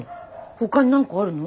ほかに何かあるの？